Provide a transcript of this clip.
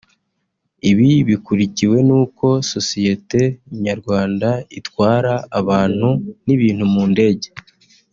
Ibi bikurikiwe n’uko Sosiyete Nyarwanda itwara abantu n’ibintu mu ndege